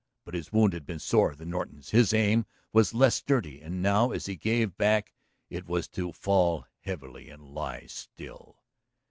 But his wound had been sorer than Norton's, his aim was less steady, and now as he gave back it was to fall heavily and lie still.